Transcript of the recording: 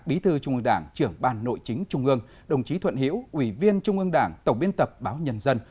bí thư trung ương đảng trưởng ban nội chính trung ương đồng chí thuận hiễu ủy viên trung ương đảng tổng biên tập báo nhân dân